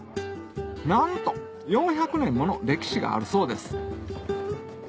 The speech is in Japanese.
なんと４００年もの歴史があるそうです